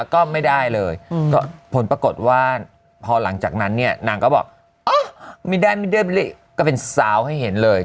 ก็ไม่ได้เลยก็ผลปรากฏว่าพอหลังจากนั้นเนี่ยนางก็บอกอ๋อไม่ได้ไม่ได้ก็เป็นสาวให้เห็นเลย